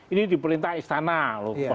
ini diperintah istana loh